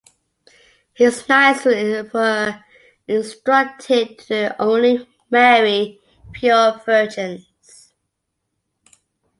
His knights were instructed to only marry pure virgins.